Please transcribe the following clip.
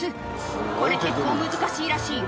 これ結構難しいらしいよ